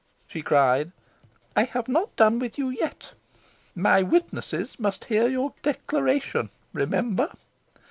she cried, "I have not done with you yet! My witnesses must hear your declaration. Remember!"